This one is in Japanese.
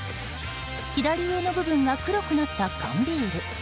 左上の部分が黒くなった缶ビール。